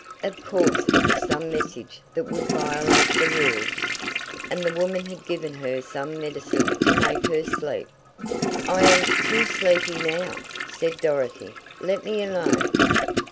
Of course it was some message that would violate the rules. And the woman had given her some medicine to make her sleep. "I am too sleepy now," said Dorothy. "Let me alone."